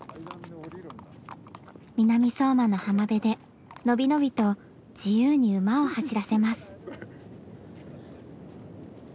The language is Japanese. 南相馬の浜辺で伸び伸びと自由に馬を走らせます。